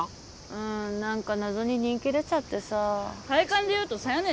うん何か謎に人気出ちゃってさ体感で言うと佐弥姉